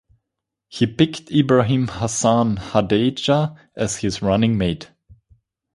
He picked Ibrahim Hassan Hadejia as his running mate.